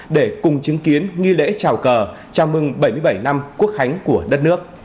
để cùng chứng kiến nghi lễ trào cờ chào mừng bảy mươi bảy năm quốc khánh của đất nước